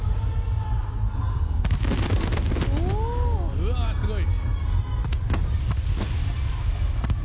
うわ、すごい。